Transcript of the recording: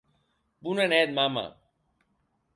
Bona net, mama.